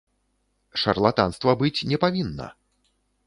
Шарлатанства быць не павінна.